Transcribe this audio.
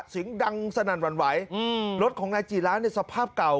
สิ่งดังสะหนังหวั่นไหวอืมรถของนายจีระในสภาพเก่าครับ